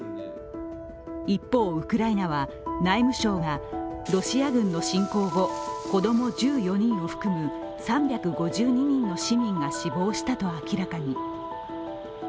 一方、ウクライナは内務省がロシア軍の侵攻後、子供１４人を含む３５２人の市民が死亡したと明らかに。